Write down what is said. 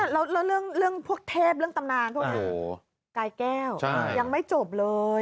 แล้วเรื่องพวกเทพเรื่องตำนานพวกนี้กายแก้วยังไม่จบเลย